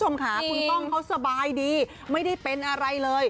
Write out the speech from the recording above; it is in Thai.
ไม่ได้เป็นอะไรเลย